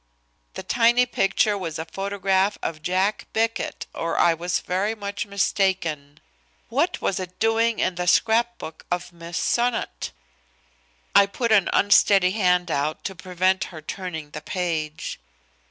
The tiny picture was a photograph of Jack Bickett or I was very much mistaken. What was it doing in the scrap book of Miss Sonnot? I put an unsteady hand out to prevent her turning the page.